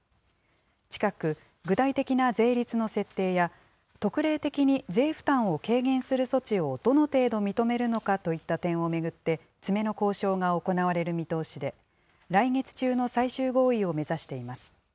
近く、具体的な税率の設定や、特例的に税負担を軽減する措置をどの程度認めるのかといった点を巡って、詰めの交渉が行われる見通しで、来月中の最終合意を目指しています。